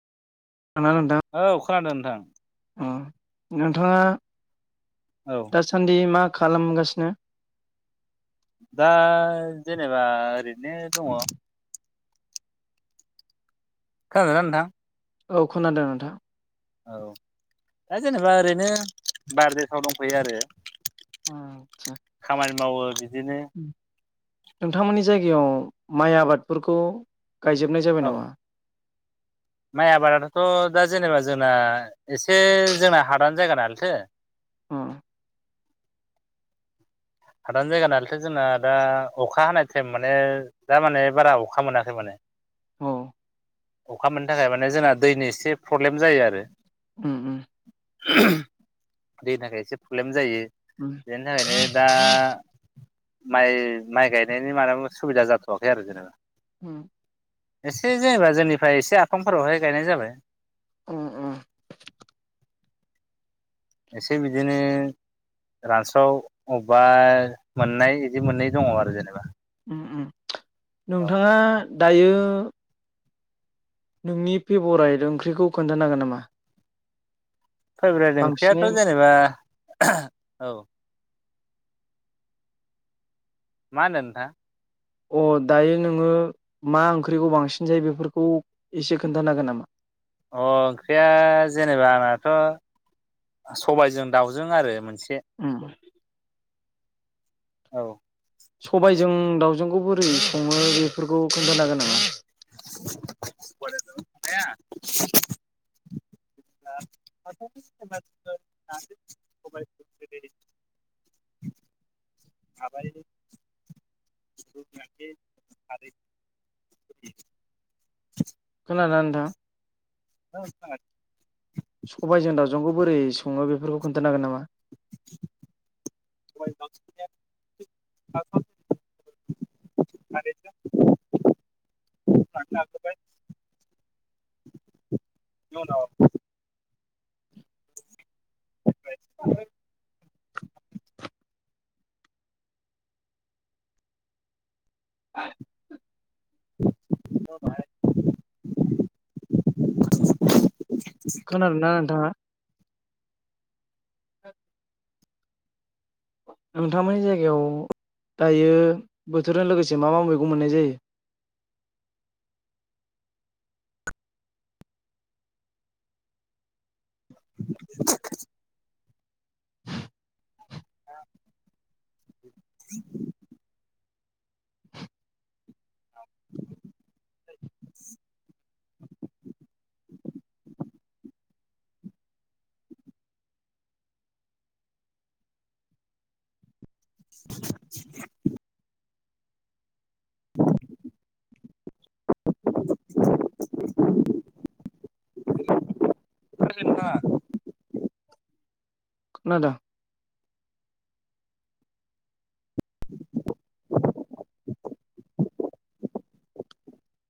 खोनादोंना नोंथां औ खोनादों नोंथां अ' नोंथाङा औ दासान्दि मा खालामगासिनो दा जेनेबा ओरैनो दङ' खोनादोना नोंथां? औ खोनादों नोंथा। औ दा जेनेबा ओरैनो बारदेसआव दंफैयो आरो आसा खामानि मावो बिदिनो नोंथांमोनि जायगायाव माइ आबादफोरखौ गायजोबनाय जाबाय औ नामा। माइ आबादाथ' दा जेनेबा जोंना एसे जोंना हादान जायगा नालायथो औ हादान जायगा नालायथ' जोंना दा अखा हानाय टाइम माने दा माने बारा अखा मोनाखै माने औ अखा मोननो थाखाय माने जोंना दैनि एसे प्रब्लेम जायो आरो उम उम दैनि एसे प्रब्लेम जायो उम बेनि थाखायनो दा दा माइ माइ गायनायनि मालाबा सुबिदा जाथ'वाखै आरो जेनेबा। होम एसे जेनेबा जोंनिफ्राय एसे आफांफोरावहाय गायनाय जाबाय। ओम ओम एसे बिदिनो। रानस्राव अबेबा मोननाय बिदि मोननै दङ आरो जेनेबा। ओम ओम औ नोंथाङा दायो नोंनि पेबराइड ओंख्रिखौ खोन्थानो हागोन नामा?? फेभ्रेट ओंख्रियाथ' बांसिनै जेनेबा औ मा होनदों नोंथां? अ दायो नोङो मा ओंख्रिखौ बांसिन जायो बेफोरखौ एसे खोन्थानो हांगोन नामा? अ ओंख्रिया जेनेबा आंनाथ' सबायजों दाउजों आरो मोनसे ओम औ ओंख्रैखौ बोरै सङो बेफोरखौ खोन्थानो हांगोन नामा? [unintelligible] [unintelligible] खोनादोंना नोंथां? औ नोंथां। सबायजों दावजोंखौ बोरै सङो बेफोरखौ खोन्थानो हागोन नामा? सबायजों दावजोंनिया माने [unintelligible] [inaudible] [unintelligible] खोनादों ना नोंथाङा? [inaudible] नोंथांमोननि जायगायाव दायो बोथोरजों लोगोसे मा मा मैगं मोननाय जायो? [inaudible] [unintelligible] [unintelligible] [unintelligible] [unintelligible] [inaudible] [inaudible] खोनादों नोंथाङा? खोनादों। [inaudible]